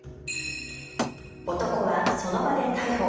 男はその場で逮捕。